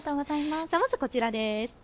まずこちらです。